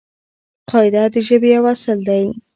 قاعده د ژبې یو اصل دئ.